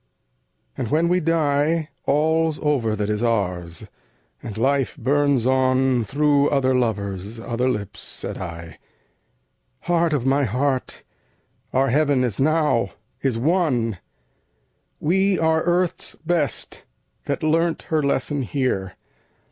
..." "And when we die All's over that is ours; and life burns on Through other lovers, other lips," said I, "Heart of my heart, our heaven is now, is won!" "We are Earth's best, that learnt her lesson here.